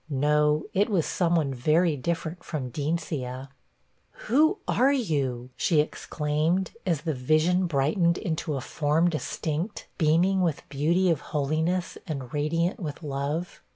No, it was some one very different from Deencia. 'Who are you?' she exclaimed, as the vision brightened into a form distinct, beaming with the beauty of holiness, and radiant with love.